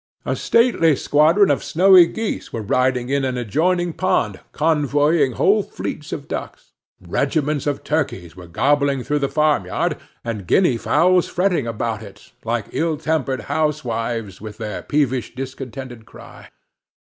A stately squadron of snowy geese were riding in an adjoining pond, convoying whole fleets of ducks; regiments of turkeys were gobbling through the farmyard, and Guinea fowls fretting about it, like ill tempered housewives, with their peevish, discontented cry.